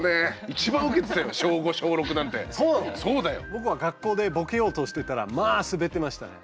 僕は学校でボケようとしてたらまあスベってましたね。